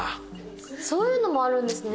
そういうのもあるんですね。